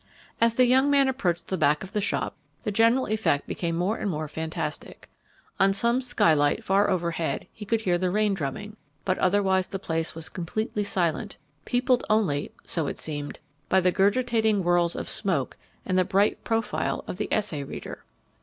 As the young man approached the back of the shop the general effect became more and more fantastic. On some skylight far overhead he could hear the rain drumming; but otherwise the place was completely silent, peopled only (so it seemed) by the gurgitating whorls of smoke and the bright profile of the essay reader.